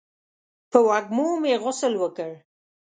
په وږمو مې غسل وکړ